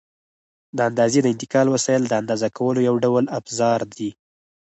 د اندازې د انتقال وسایل د اندازه کولو یو ډول افزار دي.